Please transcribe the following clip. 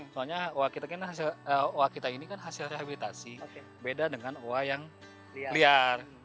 soalnya oa kita ini kan hasil rehabilitasi beda dengan oa yang liar